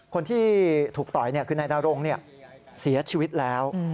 คนที่ถูกต่อยคือนายดารงเสียชีวิตแล้ว